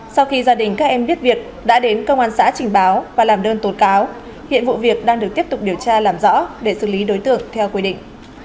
sau khi gia đình các em biết việc đã đến công an xã trình báo và làm đơn tổ cáo hiện vụ việc đang được tiếp tục điều tra làm rõ để xử lý đối tượng theo quy định